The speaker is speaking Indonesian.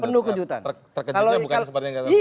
terkejutnya bukan seperti yang dikatakan